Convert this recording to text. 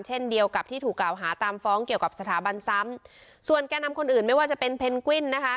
เช่นเดียวกับที่ถูกกล่าวหาตามฟ้องเกี่ยวกับสถาบันซ้ำส่วนแก่นำคนอื่นไม่ว่าจะเป็นเพนกวิ้นนะคะ